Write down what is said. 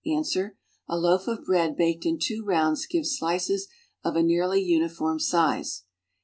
Ans. A loaf of bread baked ui Uvo rounds gi\es slices of a nearly uniform size.